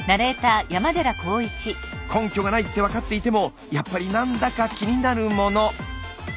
根拠がないって分かっていてもやっぱり何だか気になるもの。